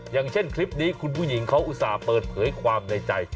อย่างเช่นคลิปนี้คุณผู้หญิงเขาอุตส่าห์เปิดเผยความในใจ